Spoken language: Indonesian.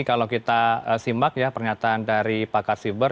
kalau kita simak ya pernyataan dari pakar siber